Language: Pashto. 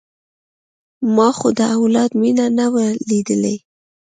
ما خو د اولاد مينه نه وه ليدلې.